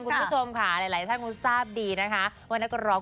หรือพี่ประจักษ์หรือพี่เทรง